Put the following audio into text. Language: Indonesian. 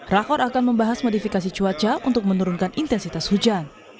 rakor akan membahas modifikasi cuaca untuk menurunkan intensitas hujan